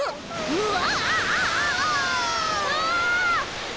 うわ。